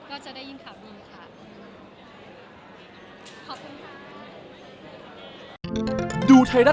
ก็จะได้ยินข่าวดีค่ะ